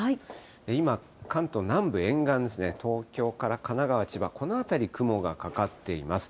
今、関東南部沿岸ですね、東京から神奈川、千葉、この辺り、雲がかかっています。